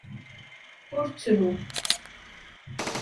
Ur ttru!